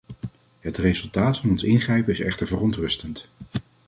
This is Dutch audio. Het resultaat van ons ingrijpen is echter verontrustend.